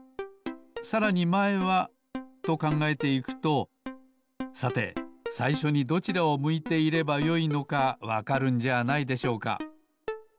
さらにまえはとかんがえていくとさてさいしょにどちらを向いていればよいのかわかるんじゃないでしょうか。